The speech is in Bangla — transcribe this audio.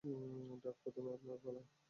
ডক, প্রথমে আপনার পালা।